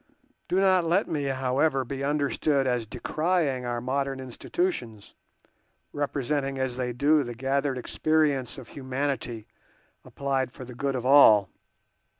Do not let me, however, be understood as decrying our modern institutions, representing as they do the gathered experience of humanity applied for the good of all.